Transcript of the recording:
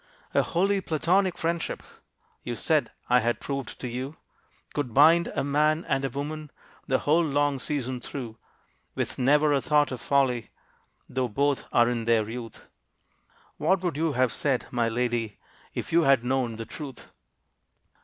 "A wholly platonic friendship," You said I had proved to you, "Could bind a man and a woman The whole long season through, With never a thought of folly, Though both are in their youth." What would you have said, my lady, If you had known the truth?